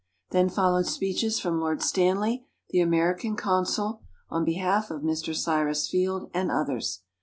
Then followed speeches from Lord Stanley, the American Consul (on behalf of Mr. Cyrus Field), and others.